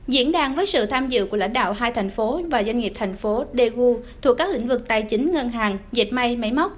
diễn đàn với sự tham dự của lãnh đạo hai thành phố và doanh nghiệp tp dju thuộc các lĩnh vực tài chính ngân hàng dệt may máy móc